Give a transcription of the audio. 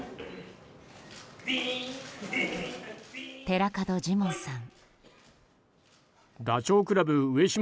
寺門ジモンさん。